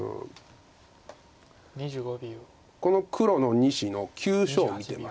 この黒の２子の急所を見てます。